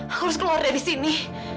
aku harus keluar dari sini